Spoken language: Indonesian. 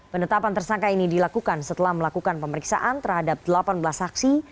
penetapan tersangka ini dilakukan setelah melakukan pemeriksaan terhadap delapan belas saksi